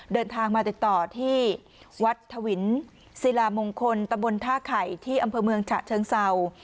เดินทางมาติดต่อที่วัดถวินศิลามงคลตะบนท่าไข่ที่อำเภอเมืองฉะเชิงเศร้า